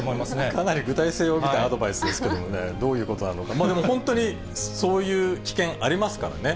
かなり具体性を帯びたアドバイスですけれども、どういうことなのか、でも本当に、そういう危険、ありますからね。